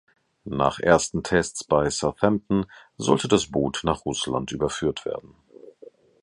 Nach ersten Tests bei Southampton sollte das Boot nach Russland überführt werden.